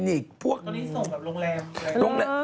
ตรงนี้ส่งแบบโรงแรม